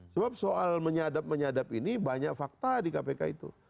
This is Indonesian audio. sebab soal menyadap menyadap ini banyak fakta di kpk itu